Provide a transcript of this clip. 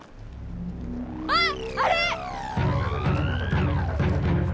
あっあれ！